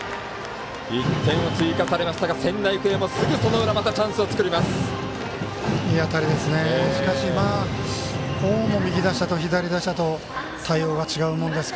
１点を追加されましたが仙台育英もすぐその裏チャンスを作ります。